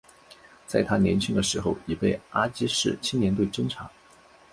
在他年轻的时候已被阿积士青年队侦察。